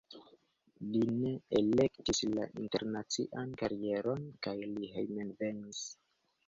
Li ne elektis la internacian karieron kaj li hejmenvenis.